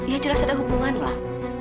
ya jelas ada hubungan lah